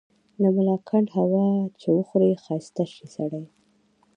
د ملاکنډ هوا چي وخوري ښايسته شی سړے